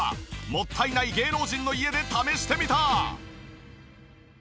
もったいない芸能人の家で試してみた！